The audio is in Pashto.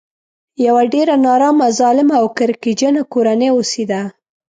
یوه ډېره نارامه ظالمه او کرکجنه کورنۍ اوسېده.